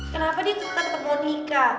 kenapa dia suka ketemu nikah